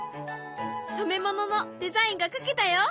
染め物のデザインが描けたよ。